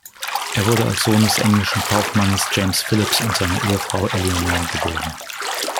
Er wurde als Sohn des englischen Kaufmannes James Phillips und seiner Ehefrau Eleonore geboren.